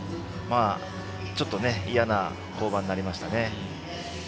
ちょっと嫌な登板になりましたね。